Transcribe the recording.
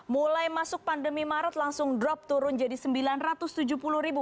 mulai masuk pandemi maret langsung drop turun jadi sembilan ratus tujuh puluh ribu